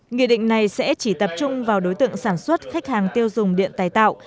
nghị định này sẽ chỉ tập trung vào đối tượng sản xuất khách hàng tiêu dùng điện tài tạo